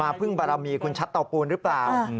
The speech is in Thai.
พึ่งบารมีคุณชัดเตาปูนหรือเปล่า